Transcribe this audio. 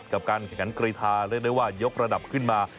กับการแข่งขันกรีธาเรียกได้ว่ายกระดับขึ้นมา